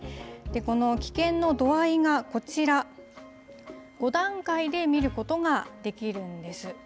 この危険の度合いがこちら、５段階で見ることができるんです。